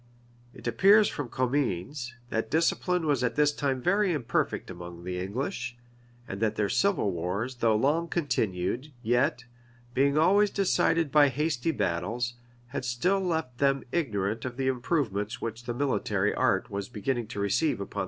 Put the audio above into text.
It appears from Comines, that discipline was at this time very imperfect among the English; and that their civil wars, though long continued, yet, being always decided by hasty battles, had still left them ignorant of the improvements which the military art was beginning to receive upon the continent.